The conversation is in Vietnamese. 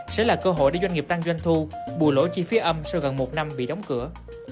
sẽ là cơ hội để doanh nghiệp tăng doanh thu bù lỗ chi phí âm sau gần một năm bị đóng cửa